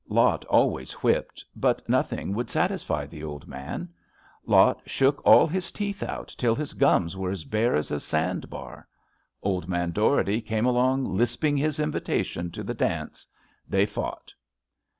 Lot always whipped, but noth ing would satisfy the old man. Lot shook all his teeth out till his gums were as bare as a sand bar. Old man Dougherty came along lisping his invitation to the dance. They fought.